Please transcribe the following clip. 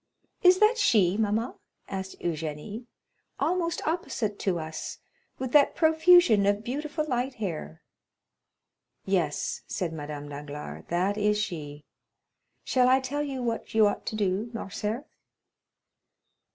"Is that she, mamma?" asked Eugénie; "almost opposite to us, with that profusion of beautiful light hair?" "Yes," said Madame Danglars, "that is she. Shall I tell you what you ought to do, Morcerf?"